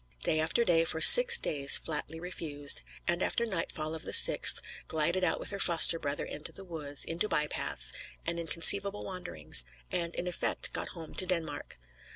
Day after day, for six days, flatly refused; and after nightfall of the sixth, glided out with her foster brother into the woods, into by paths and inconceivable wanderings; and, in effect, got home to Denmark.